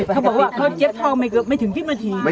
เขาบอกว่าเจ็บทอมไฟเกิดไม่ถึง๑๐นาที